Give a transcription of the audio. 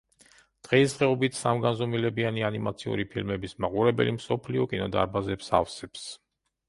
დღესდღეობით, სამგანზომილებიანი ანიმაციური ფილმების მაყურებელი მსოფლიო კინოდარბაზებს ავსებს.